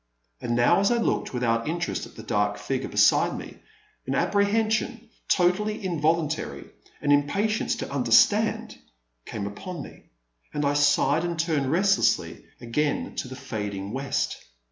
And now, as I looked, without interest, at the dark figure beside me, an apprehension, totally involuntary, an impatience to understand^ came upon me, and I sighed and turned restlessly again to the fading west.